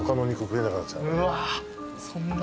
うわそんな？